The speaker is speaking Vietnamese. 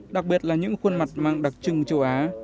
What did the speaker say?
đặc biệt là những khuôn mặt mang đặc trưng châu á